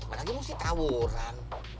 apalagi mesti tawuran